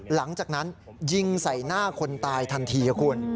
หลังจากนั้นยิงใส่หน้าคนตายทันทีครับคุณ